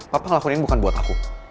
papa ngelakuin ini bukan buat aku